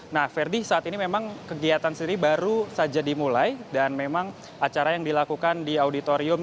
nah verdi saat ini memang kegiatan sendiri baru saja dimulai dan memang acara yang dilakukan di auditorium